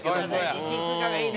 １位通過がいいね。